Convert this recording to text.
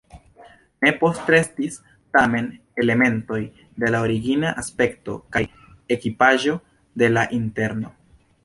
Ne postrestis tamen elementoj de la origina aspekto kaj ekipaĵo de la interno.